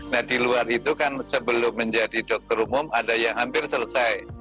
nah di luar itu kan sebelum menjadi dokter umum ada yang hampir selesai